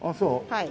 はい。